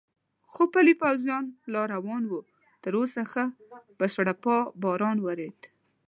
خو پلی پوځیان لا روان و، تراوسه ښه په شړپا باران ورېده.